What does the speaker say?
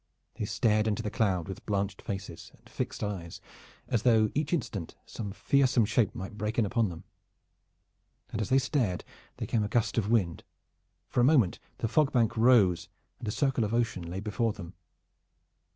They stared into the cloud with blanched faces and fixed eyes, as though each instant some fearsome shape might break in upon them. And as they stared there came a gust of wind. For a moment the fog bank rose and a circle of ocean lay before them.